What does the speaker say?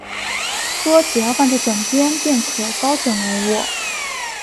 说只要放在枕边，便可高枕而卧